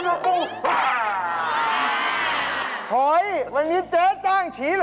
เดี๋ยวนี่อะไรเนี่ย